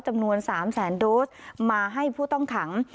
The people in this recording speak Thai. จำนวน๓แสนโดสมาให้ผู้ต้องขัง